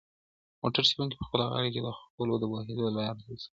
موټر چلونکي په خپله غاړه کې د خولو د بهېدو لاره حس کړه.